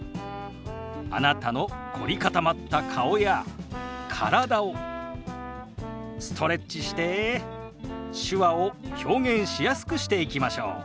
あなたの凝り固まった顔や体をストレッチして手話を表現しやすくしていきましょう。